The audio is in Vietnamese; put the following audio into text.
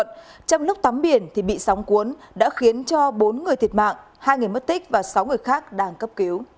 trong lúc tắm biển thì bị sóng cuốn đã khiến cho bốn người thiệt mạng hai người mất tích và sáu người khác đang cấp cứu